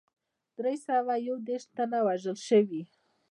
دری سوه یو دېرش تنه وژل شوي.